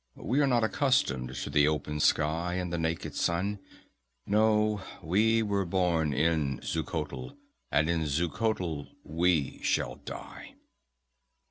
We are not accustomed to the open sky and the naked sun. No; we were born in Xuchotl, and in Xuchotl we shall die."